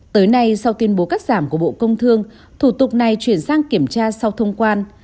tới nay sau tuyên bố cắt giảm của bộ công thương thủ tục này chuyển sang kiểm tra sau thông quan